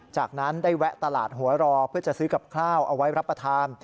จากนั้นได้แวะตลาดหัวรอเพื่อจะซื้อกับข้าวเอาไว้รับประทาน